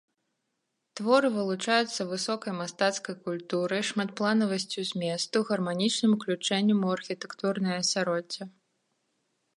Творы вылучаюцца высокай мастацкай культурай, шматпланавасцю зместу, гарманічным уключэннем у архітэктурнае асяроддзе.